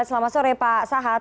selamat sore pak sahat